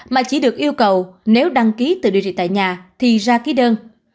mà chỉ được yêu cầu nếu đăng ký tự điều trị tại nhà thì ra ký đơn